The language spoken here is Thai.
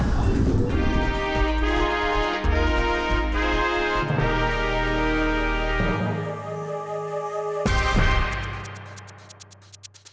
สิบสองทีมสุดวันโซนชาติออกมากับคุณมีคุณชาติออก